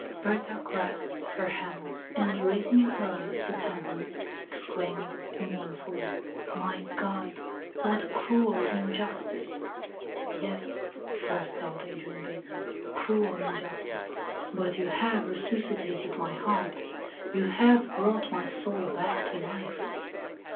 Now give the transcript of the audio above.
Berta clasped her hands, and raising her eyes to heaven, exclaimed mournfully: "My God! what cruel injustice!" "Yes!" burst out Adrian Baker; "cruel injustice! but you have resuscitated my heart; you have brought my soul back to life."